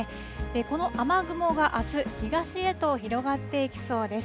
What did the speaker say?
この雨雲があす、東へと広がっていきそうです。